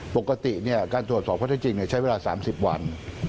ปกติการตรวจสอบข้อได้จริงใช้เวลา๓๐วัน